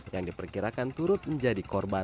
yang diperkirakan turut menjadi korban